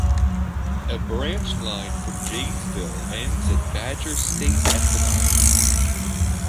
A branch line from Janesville ends at Badger State Ethanol.